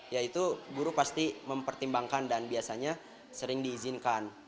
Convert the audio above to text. ya itu guru pasti mempertimbangkan dan biasanya sering diizinkan